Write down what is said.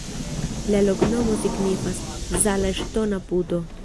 La loknomo signifas: Zala-ŝtona-puto.